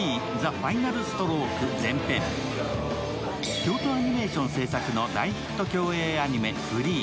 京都アニメーション製作の大ヒット競泳あにめ「Ｆｒｅｅ！」